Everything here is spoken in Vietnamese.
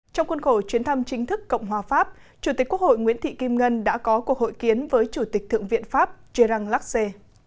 trong khuôn khổ chuyến thăm chính thức cộng hòa pháp chủ tịch quốc hội nguyễn thị kim ngân đã có cuộc hội kiến với chủ tịch thượng viện pháp gerard lacce